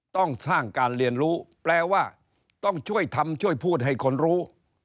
ต้องสร้างการเรียนรู้แปลว่าต้องช่วยทำช่วยพูดให้คนรู้